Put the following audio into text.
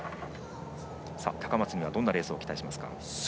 高松にはどんなレースを期待しますか。